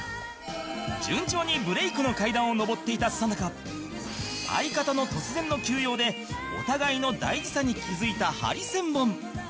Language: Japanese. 順調にブレイクの階段を上っていたさなか相方の突然の休養でお互いの大事さに気づいたハリセンボン